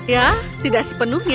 ya tidak sepenuhnya